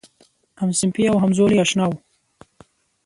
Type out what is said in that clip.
همصنفي او همزولی آشنا و.